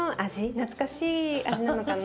懐かしい味なのかな？